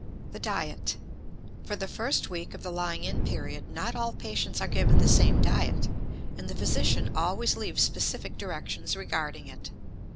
The Diet. For the first week of the lying in period not all patients are given the same diet, and the physician always leaves specific directions regarding it.